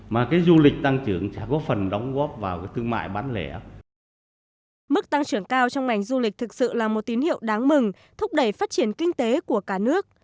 mức tăng trưởng cao trong ngành du lịch thực sự là một tín hiệu đáng mừng thúc đẩy phát triển kinh tế của cả nước